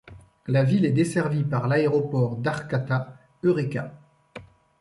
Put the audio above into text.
La ville est desservie par l'aéroport d'Arcata-Eureka.